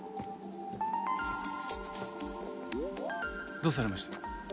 どうされました？